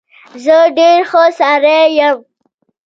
زه ډېر ښه سړى يم.